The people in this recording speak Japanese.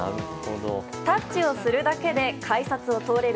タッチをするだけで改札を通れる